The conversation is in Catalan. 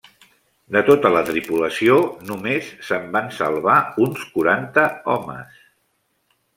De tota la tripulació, només se'n van salvar uns quaranta homes.